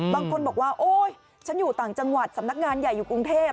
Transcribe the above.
บางคนบอกว่าโอ๊ยฉันอยู่ต่างจังหวัดสำนักงานใหญ่อยู่กรุงเทพ